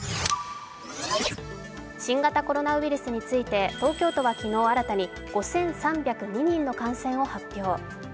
新型コロナウイルスについて東京都は昨日新たに５３０２人の感染を発表。